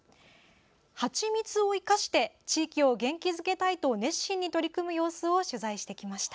ハチミツを生かして地域を元気づけたいと熱心に取り組む様子を取材してきました。